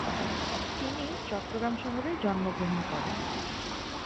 তিনি চট্টগ্রাম শহরে জন্মগ্রহণ করেন।